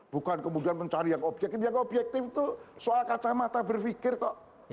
bukan kemudian mencari yang objektif yang objektif itu soal kacamata berpikir kok